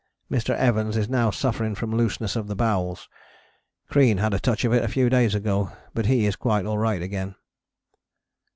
Mr. Evans is now suffering from looseness of the bowels. Crean had a touch of it a few days ago, but he is quite alright again.